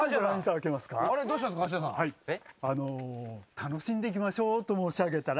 楽しんでいきましょうと申し上げたら